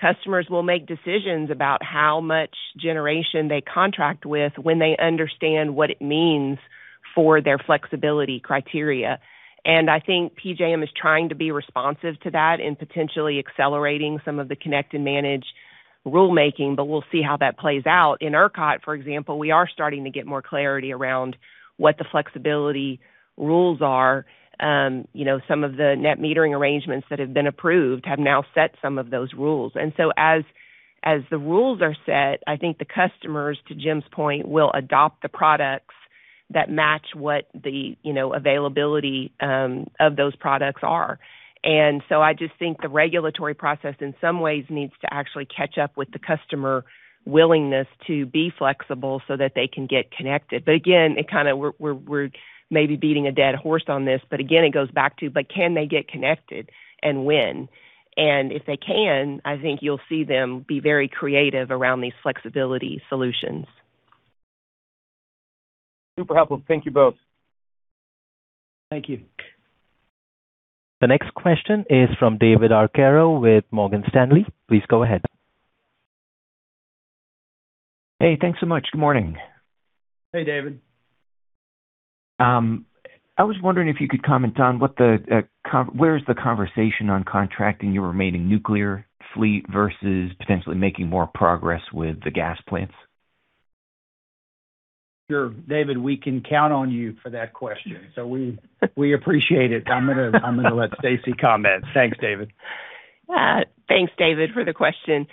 customers will make decisions about how much generation they contract with when they understand what it means for their flexibility criteria. I think PJM is trying to be responsive to that in potentially accelerating some of the connect and manage rulemaking, but we'll see how that plays out. In ERCOT, for example, we are starting to get more clarity around what the flexibility rules are. You know, some of the net metering arrangements that have been approved have now set some of those rules. As the rules are set, I think the customers, to Jim's point, will adopt the products that match what the, you know, availability of those products are. I just think the regulatory process in some ways needs to actually catch up with the customer willingness to be flexible so that they can get connected. Again, it kinda, we're maybe beating a dead horse on this, but again, it goes back to, but can they get connected, and when? If they can, I think you'll see them be very creative around these flexibility solutions. Super helpful. Thank you both. Thank you. The next question is from David Arcaro with Morgan Stanley. Please go ahead. Hey, thanks so much. Good morning. Hey, David. I was wondering if you could comment on where is the conversation on contracting your remaining nuclear fleet versus potentially making more progress with the gas plants? Sure. David, we can count on you for that question. We appreciate it. I'm gonna let Stacey comment. Thanks, David. Thanks, David, for the question.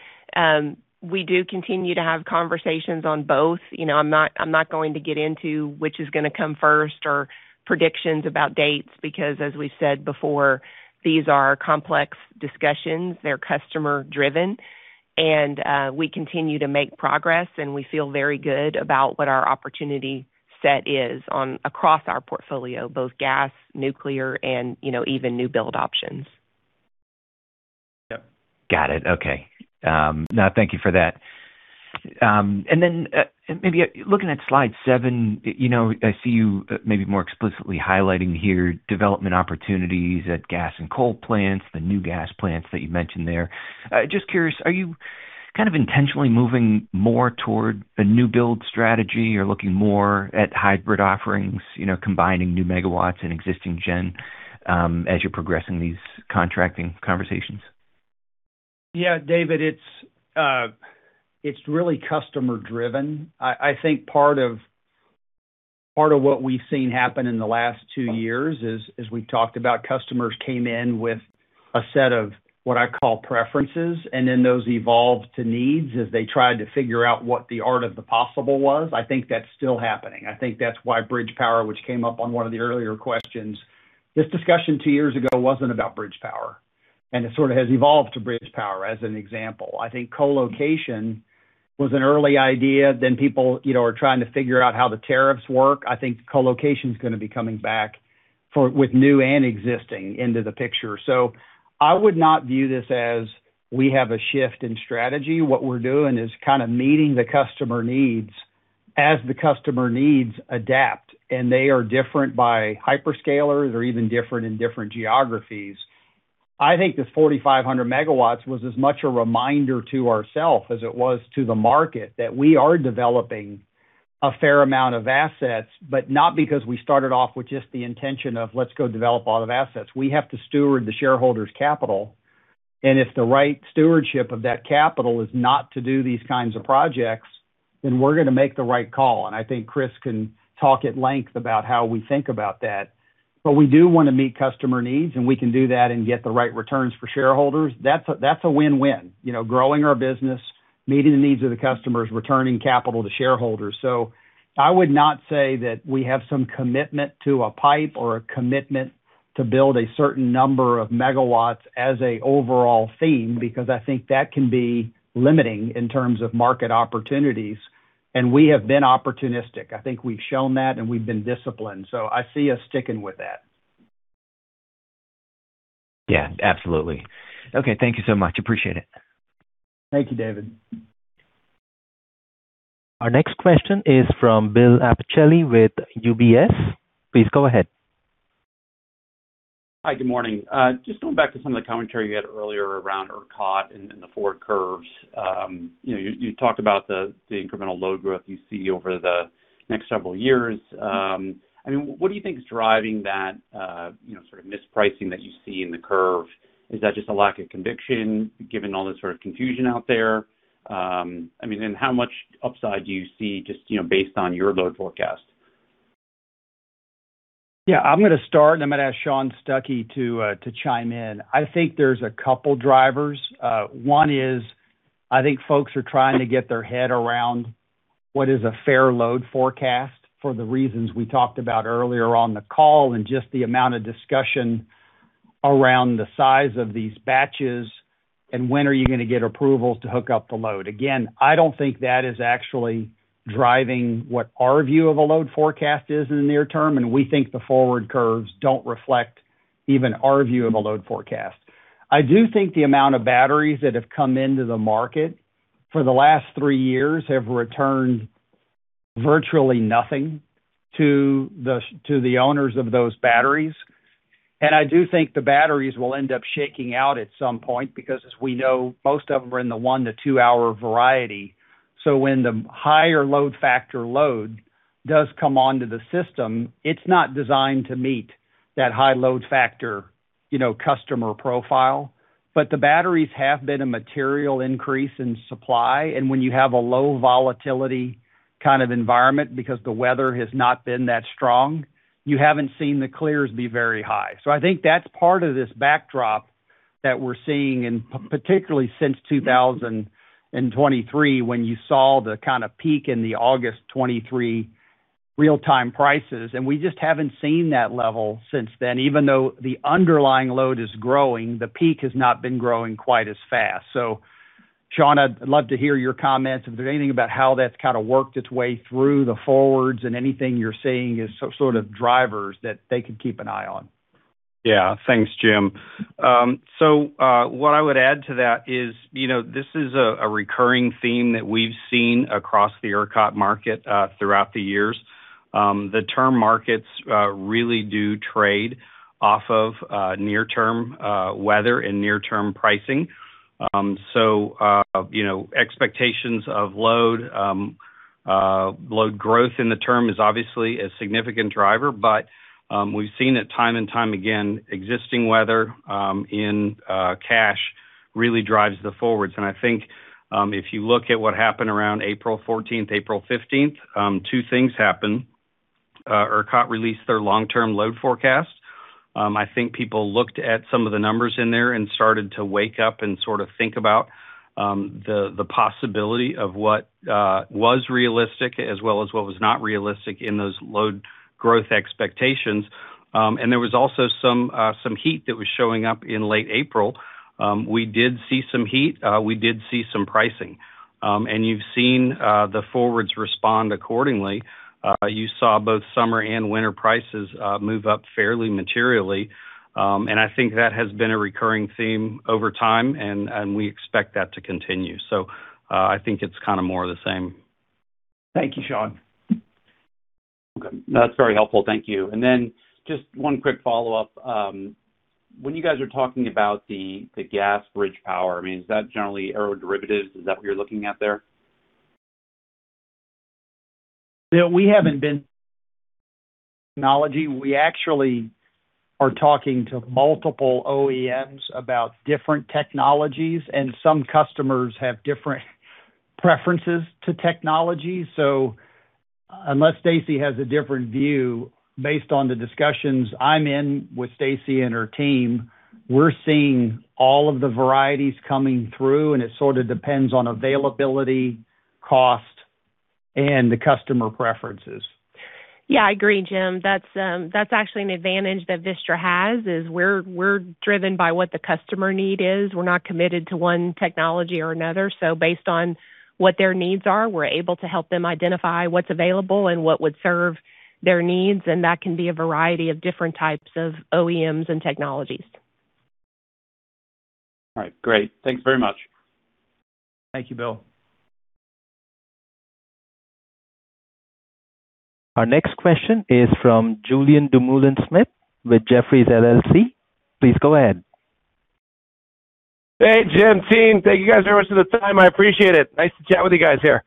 We do continue to have conversations on both. You know, I'm not going to get into which is gonna come first or predictions about dates because as we said before, these are complex discussions. They're customer driven. We continue to make progress, and we feel very good about what our opportunity set is on across our portfolio, both gas, nuclear, and, you know, even new build options. Yep. Got it. Okay. No, thank you for that. Maybe looking at slide seven, you know, I see you maybe more explicitly highlighting here development opportunities at gas and coal plants, the new gas plants that you mentioned there. Just curious, are you kind of intentionally moving more toward a new build strategy or looking more at hybrid offerings, you know, combining new megawatts and existing gen, as you're progressing these contracting conversations? Yeah, David, it's really customer driven. I think part of what we've seen happen in the last two years is, as we've talked about, customers came in with a set of what I call preferences, and then those evolved to needs as they tried to figure out what the art of the possible was. I think that's still happening. I think that's why bridge power, which came up on one of the earlier questions. This discussion two years ago wasn't about bridge power. It sort of has evolved to bridge power as an example. I think co-location was an early idea. People, you know, are trying to figure out how the tariffs work. I think co-location's gonna be coming back with new and existing into the picture. I would not view this as we have a shift in strategy. What we're doing is kinda meeting the customer needs as the customer needs adapt, and they are different by hyperscalers or even different in different geographies. I think this 4,500 MW was as much a reminder to ourself as it was to the market that we are developing a fair amount of assets, but not because we started off with just the intention of let's go develop a lot of assets. We have to steward the shareholders' capital. If the right stewardship of that capital is not to do these kinds of projects, then we're gonna make the right call. I think Kris can talk at length about how we think about that. We do wanna meet customer needs, and we can do that and get the right returns for shareholders. That's a win-win. You know, growing our business, meeting the needs of the customers, returning capital to shareholders. I would not say that we have some commitment to a pipe or a commitment to build a certain number of megawatt as a overall theme, because I think that can be limiting in terms of market opportunities. We have been opportunistic. I think we've shown that, and we've been disciplined. I see us sticking with that. Yeah, absolutely. Okay, thank you so much. Appreciate it. Thank you, David. Our next question is from Bill Appicelli with UBS. Please go ahead. Hi. Good morning. Just going back to some of the commentary you had earlier around ERCOT and the forward curves. You know, you talked about the incremental load growth you see over the next several years. I mean, what do you think is driving that, you know, sort of mispricing that you see in the curve? Is that just a lack of conviction given all this sort of confusion out there? I mean, how much upside do you see just, you know, based on your load forecast? Yeah, I'm gonna start, and I'm gonna ask Shawn Stuckey to chime in. I think there's two drivers. One is, I think folks are trying to get their head around what is a fair load forecast for the reasons we talked about earlier on the call and just the amount of discussion around the size of these batches and when are you gonna get approvals to hook up the load. Again, I don't think that is actually driving what our view of a load forecast is in the near term, and we think the forward curves don't reflect even our view of a load forecast. I do think the amount of batteries that have come into the market for the last three years have returned virtually nothing to the owners of those batteries. I do think the batteries will end up shaking out at some point because, as we know, most of them are in the one to two hour variety. When the higher load factor load does come onto the system, it's not designed to meet that high load factor, you know, customer profile. The batteries have been a material increase in supply, and when you have a low volatility kind of environment because the weather has not been that strong, you haven't seen the CLRs be very high. I think that's part of this backdrop that we're seeing in, particularly since 2023, when you saw the kind of peak in the August 2023 real-time prices. We just haven't seen that level since then. Even though the underlying load is growing, the peak has not been growing quite as fast. Shawn, I'd love to hear your comments if there's anything about how that's kinda worked its way through the forwards and anything you're seeing as sort of drivers that they could keep an eye on. Thanks, Jim. What I would add to that is, you know, this is a recurring theme that we've seen across the ERCOT market throughout the years. The term markets really do trade off of near-term weather and near-term pricing. You know, expectations of load growth in the term is obviously a significant driver, but we've seen it time and time again, existing weather in cash really drives the forwards. I think, if you look at what happened around April 14th, April 15th, two things happened. ERCOT released their long-term load forecast. I think people looked at some of the numbers in there and started to wake up and sort of think about the possibility of what was realistic as well as what was not realistic in those load growth expectations. There was also some heat that was showing up in late April. We did see some heat. We did see some pricing. You've seen the forwards respond accordingly. You saw both summer and winter prices move up fairly materially. I think that has been a recurring theme over time, and we expect that to continue. I think it's kinda more of the same. Thank you, Shawn. Okay. That's very helpful. Thank you. Then just one quick follow-up. When you guys are talking about the gas bridge power, I mean, is that generally aeroderivatives? Is that what you're looking at there? Bill, we haven't been technology. We actually are talking to multiple OEMs about different technologies, and some customers have different preferences to technology. Unless Stacey has a different view, based on the discussions I'm in with Stacey and her team, we're seeing all of the varieties coming through, and it sorta depends on availability, cost, and the customer preferences. Yeah, I agree, Jim. That's actually an advantage that Vistra has, is we're driven by what the customer need is. We're not committed to one technology or another. Based on what their needs are, we're able to help them identify what's available and what would serve their needs, and that can be a variety of different types of OEMs and technologies. All right. Great. Thanks very much. Thank you, Bill. Our next question is from Julien Dumoulin-Smith with Jefferies LLC. Please go ahead. Hey, Jim, team. Thank you guys very much for the time. I appreciate it. Nice to chat with you guys here.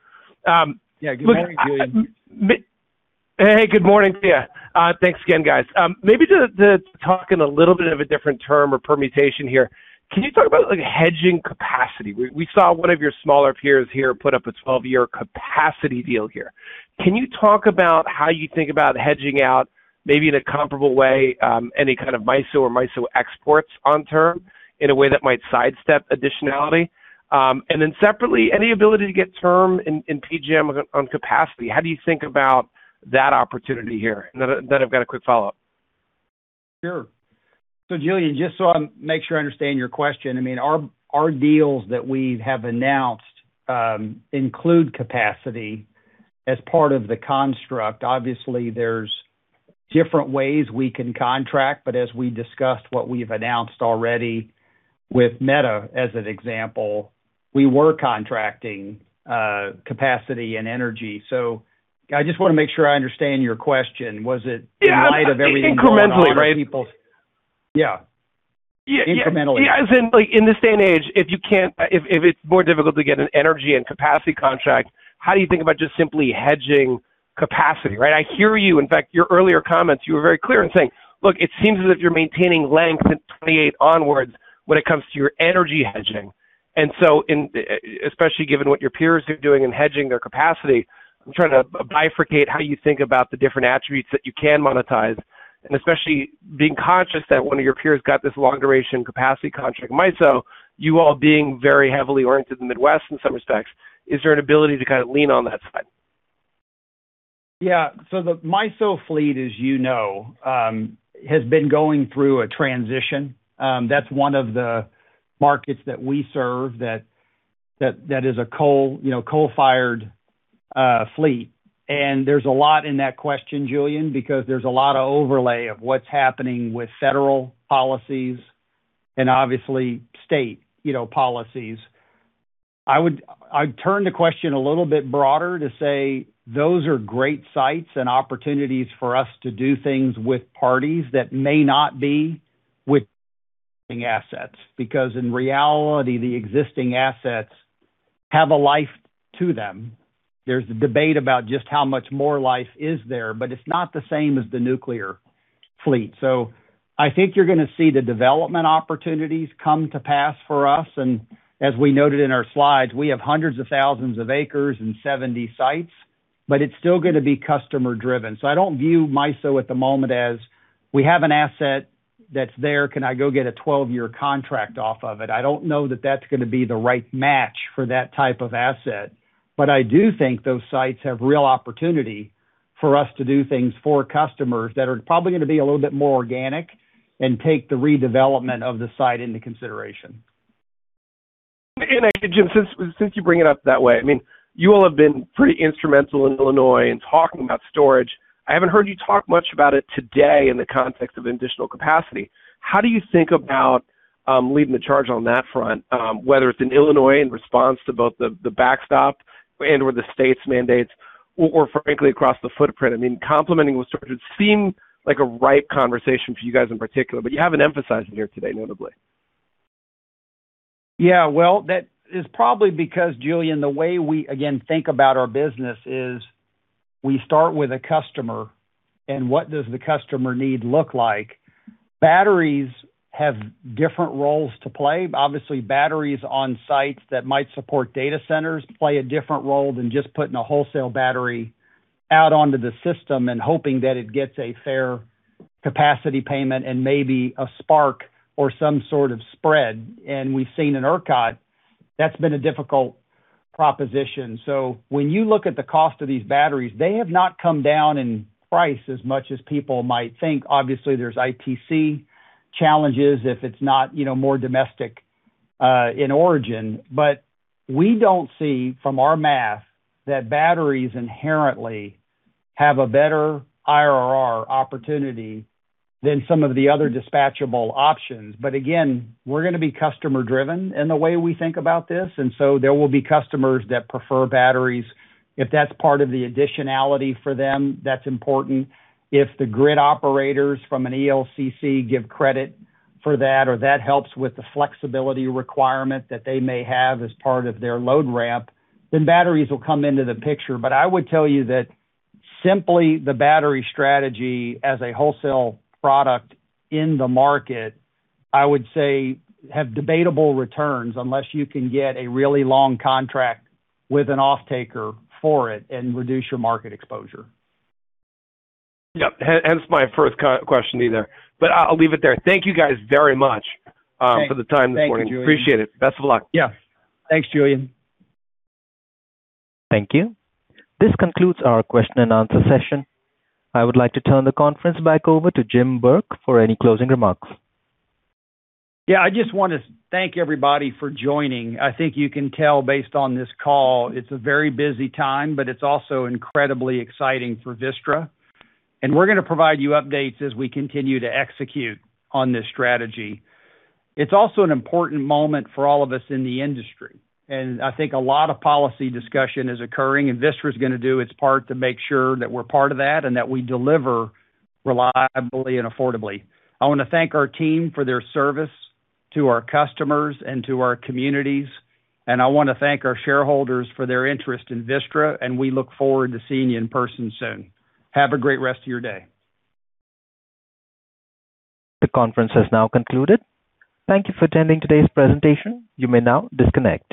Yeah. Good morning, Julien. Hey, good morning to ya. Thanks again, guys. Maybe just to talk in a little bit of a different term or permutation here, can you talk about, like, hedging capacity? We saw one of your smaller peers here put up a 12-year capacity deal here. Can you talk about how you think about hedging out maybe in a comparable way, any kind of MISO or MISO exports on term in a way that might sidestep additionality? Separately, any ability to get term in PJM on capacity, how do you think about that opportunity here? Then I've got a quick follow-up. Sure. Julien, just so I make sure I understand your question, I mean, our deals that we have announced include capacity as part of the construct. Obviously, there's different ways we can contract, but as we discussed what we've announced already with Meta, as an example, we were contracting capacity and energy. I just wanna make sure I understand your question. Was it- Yeah. In light of everything going on with people? Incrementally, right? Yeah. Yeah. Incrementally. Yeah. As in, like, in this day and age, if you can't if it's more difficult to get an energy and capacity contract, how do you think about just simply hedging capacity, right? I hear you. In fact, your earlier comments, you were very clear in saying, look, it seems as if you're maintaining length in 2028 onwards when it comes to your energy hedging. Especially given what your peers are doing in hedging their capacity, I'm trying to bifurcate how you think about the different attributes that you can monetize, and especially being conscious that one of your peers got this long-duration capacity contract. MISO, you all being very heavily oriented in the Midwest in some respects, is there an ability to kind of lean on that side? Yeah. The MISO fleet, as you know, has been going through a transition. That's one of the markets that we serve that is a coal, you know, coal-fired fleet. There's a lot in that question, Julien, because there's a lot of overlay of what's happening with federal policies and obviously state, you know, policies. I'd turn the question a little bit broader to say those are great sites and opportunities for us to do things with parties that may not be with existing assets. Because in reality, the existing assets have a life to them. There's a debate about just how much more life is there, it's not the same as the nuclear fleet. I think you're gonna see the development opportunities come to pass for us. As we noted in our slides, we have hundreds of thousands of acres and 70 sites, it's still gonna be customer-driven. I don't view MISO at the moment as we have an asset that's there, can I go get a 12-year contract off of it? I don't know that that's gonna be the right match for that type of asset. I do think those sites have real opportunity for us to do things for customers that are probably gonna be a little bit more organic and take the redevelopment of the site into consideration. I think, Jim, since you bring it up that way, I mean, you all have been pretty instrumental in Illinois in talking about storage. I haven't heard you talk much about it today in the context of additional capacity. How do you think about leading the charge on that front, whether it's in Illinois in response to both the backstop and/or the state's mandates or frankly, across the footprint? I mean, complementing with storage, it seemed like a ripe conversation for you guys in particular, but you haven't emphasized it here today, notably. Well, that is probably because, Julien, the way we, again, think about our business is we start with a customer and what does the customer need look like. Batteries have different roles to play. Obviously, batteries on sites that might support data centers play a different role than just putting a wholesale battery out onto the system and hoping that it gets a fair capacity payment and maybe a spark or some sort of spread. We've seen in ERCOT, that's been a difficult proposition. When you look at the cost of these batteries, they have not come down in price as much as people might think. Obviously, there's ITC challenges if it's not, you know, more domestic in origin. We don't see from our math that batteries inherently have a better IRR opportunity than some of the other dispatchable options. Again, we're gonna be customer-driven in the way we think about this, and so there will be customers that prefer batteries. If that's part of the additionality for them, that's important. If the grid operators from an ELCC give credit for that or that helps with the flexibility requirement that they may have as part of their load ramp, then batteries will come into the picture. I would tell you that simply the battery strategy as a wholesale product in the market, I would say have debatable returns unless you can get a really long contract with an offtaker for it and reduce your market exposure. Yep. Hence my first question to you there. I'll leave it there. Thank you guys very much for the time this morning. Thank you, Julien. Appreciate it. Best of luck. Yeah. Thanks, Julien. Thank you. This concludes our question and answer session. I would like to turn the conference back over to Jim Burke for any closing remarks. Yeah. I just want to thank everybody for joining. I think you can tell based on this call, it's a very busy time, but it's also incredibly exciting for Vistra. We're gonna provide you updates as we continue to execute on this strategy. It's also an important moment for all of us in the industry, and I think a lot of policy discussion is occurring, and Vistra is gonna do its part to make sure that we're part of that and that we deliver reliably and affordably. I wanna thank our team for their service to our customers and to our communities, and I wanna thank our shareholders for their interest in Vistra, and we look forward to seeing you in person soon. Have a great rest of your day. The conference has now concluded. Thank you for attending today's presentation. You may now disconnect.